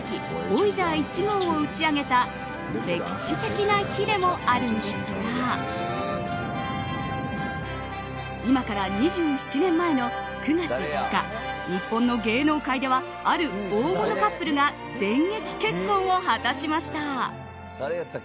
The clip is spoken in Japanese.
「ボイジャー１号」を打ち上げた歴史的な日でもあるんですが今から２７年前の９月５日日本の芸能界ではある大物カップルが電撃結婚を果たしました。